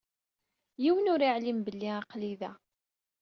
Yiwen ur iɛlim belli aql-i da.